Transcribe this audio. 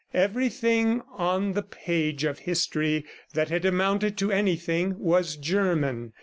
Everything on the page of history that had amounted to anything was German.